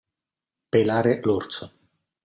Pelare l'orso.